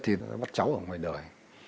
thì bắt cháu ở ngoài đời